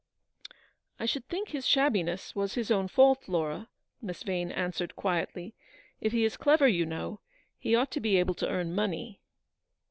" I should think his shabbiness was his own fault, Laura," Miss Yane answered, quietly. " If he is clever, you know, he ought to be able to earn money."